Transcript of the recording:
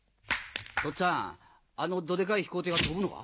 とっつぁんあのドデカい飛行艇は飛ぶのか？